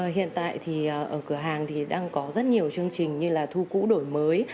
hiện tại thì ở cửa hàng thì đang có rất nhiều chương trình như là thu cũ đổi mới